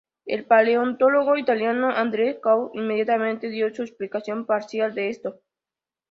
El paleontólogo italiano Andrea Cau inmediatamente dio una explicación parcial de esto.